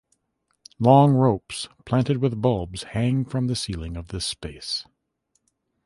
Long ropes planted with bulbs hang From the ceiling of this space.